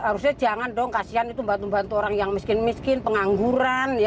harusnya jangan dong kasihan itu membantu bantu orang yang miskin miskin pengangguran